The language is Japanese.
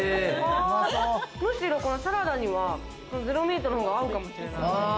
むしろこのサラダにはゼロミートのほうが合うのかもしれない。